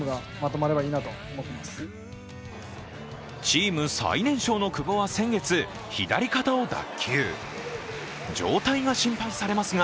チーム最年少の久保は先月左肩を脱臼。